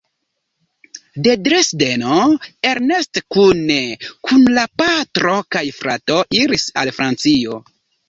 De Dresdeno Ernest kune kun la patro kaj frato iris al Francio.